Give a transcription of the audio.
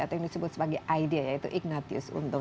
atau yang disebut sebagai idea yaitu ignatius untung